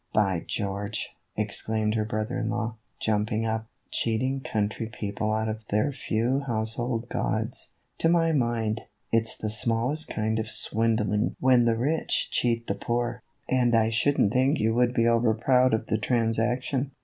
" By George !" exclaimed her brother in law, jumping up, " I call that a most shameful business, cheating country people out of their few household gods ? To my mind, it 's the smallest kind of swindling when the rich cheat the poor, and I should n't think you would be overproud of the transaction."